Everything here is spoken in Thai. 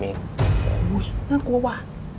โห้ยน่ากลัววะ